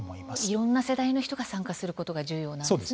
いろんな世代の人が参加することが重要なんですね。